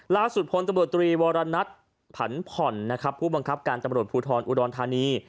ล่าสุดพ้นตรวจตรีวรรณัชผันผ่อนผู้บังคับการตรวจภูทรอุดรทานี